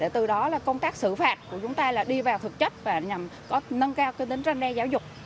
từ đó là công tác xử phạt của chúng ta đi vào thực chất và có nâng cao kinh tế trang đe giáo dục